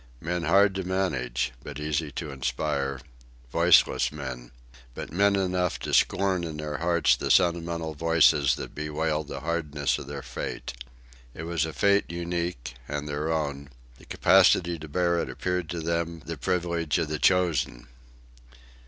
Men hard to manage, but easy to inspire; voiceless men but men enough to scorn in their hearts the sentimental voices that bewailed the hardness of their fate. It was a fate unique and their own; the capacity to bear it appeared to them the privilege of the chosen!